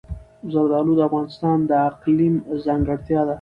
زردالو د افغانستان د اقلیم ځانګړتیا ده.